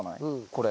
これ。